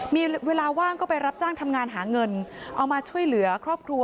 มีเวลาว่างก็ไปรับจ้างทำงานหาเงินเอามาช่วยเหลือครอบครัว